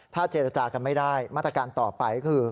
ถ้าเจรจากันไม่ได้มาตรการต่อไปก็คือ